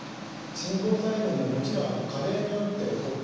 心房細動ももちろん加齢によって起こってきます。